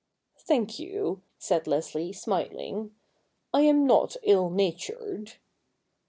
' Thank you,' said Leslie smiling, ' I am not ill natured.'